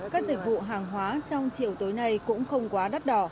các dịch vụ hàng hóa trong triệu tối này cũng không quá đắt đỏ